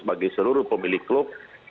bagi seluruh pemilik klub